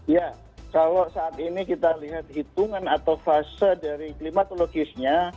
ya kalau saat ini kita lihat hitungan atau fase dari klimatologisnya